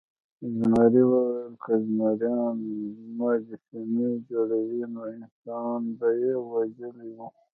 زمري وویل که زمریانو مجسمې جوړولی نو انسان به یې وژلی و.